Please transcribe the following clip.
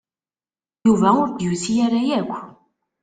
Yuba ur d-yusi ara akk.